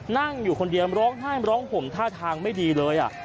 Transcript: นั่งอยู่คนเดียวร้องไห้ร้องห่มท่าทางไม่ดีเลย